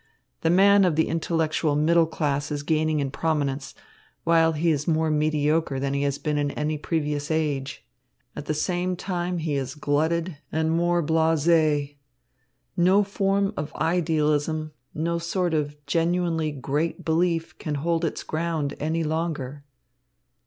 The man of the intellectual middle class is gaining in prominence, while he is more mediocre than he has been in any previous age. At the same time he is glutted and more blasé. No form of idealism, no sort of genuinely great belief can hold its ground any longer."